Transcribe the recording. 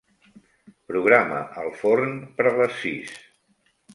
Programa el forn per a les sis.